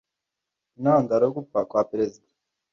Intandaro yo gupfa kwa perizida